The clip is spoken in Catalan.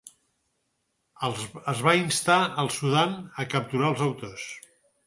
Es va instar al Sudan a capturar als autors.